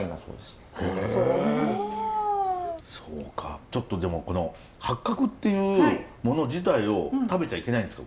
そうかちょっとでもこの八角っていうもの自体を食べちゃいけないんですか？